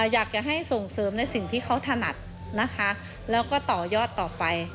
อยากจะให้ส่งเสริมในสิ่งที่เขาถนัดนะคะแล้วก็ต่อยอดต่อไป